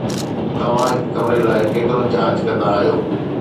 توهان هڪ ڪمري لاء ڪيترو چارج ڪندا آهيو؟